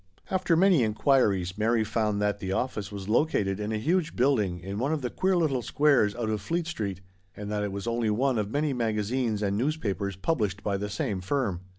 After many inquiries, Mary found that the IN GRUB STREET. 139 office was located in a huge building in one of the queer little squares out of Fleet Street, and that it was only one of many magazines and newspapers published by the same firm.